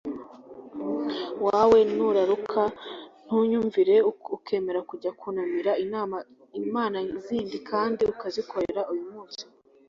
wawe nuraruka, ntunyumvire, ukemera kujya kunamira imana zindi kandi ukazikorera, uyu munsi